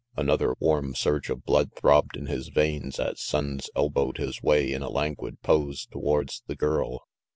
Another warm surge of blood throbbed in his veins as Sonnes elbowed his way in a languid pose towards the girl.